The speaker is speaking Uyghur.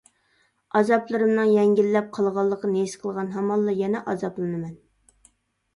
ئازابلىرىمنىڭ يەڭگىللەپ قالغانلىقىنى ھېس قىلغان ھامانلا يەنە ئازابلىنىمەن.